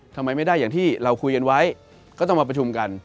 ทำไมไม่ได้อย่างที่เราคุยกันไว้ก็ต้องมาประชุมกัน